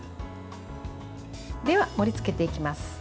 では、盛りつけていきます。